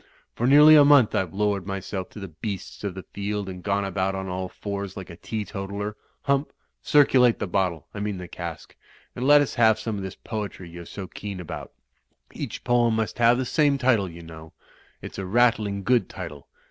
For nearly a month IVc lowered myself to the beasts of the field, and gone about on all fours like a teetotaler. Htunp, circulate the bot tle — I mean the cask^* and let us have some of this poetry you're so keen ^^1^ £^ch poem must have the same title, you know^rs a rattling good tide.